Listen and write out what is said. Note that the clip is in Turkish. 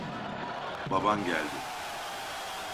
Baban geldi.